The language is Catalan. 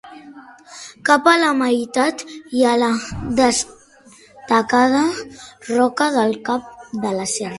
Cap a la meitat hi ha la destacada Roca del Cap de la Serra.